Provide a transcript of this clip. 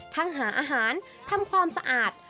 หาอาหารทำความสะอาด